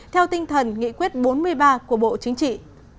theo tinh thần nghị quyết bốn mươi ba của bộ chính trị